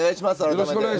改めて。